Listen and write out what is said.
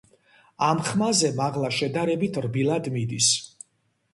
ამ ხმაზე მაღლა შედარებით რბილად მიდის.